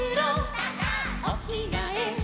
「おきがえ」